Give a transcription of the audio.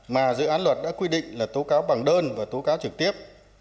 mà dự án luật đã quy định là tố cáo bằng đơn và tố cáo trực tiếp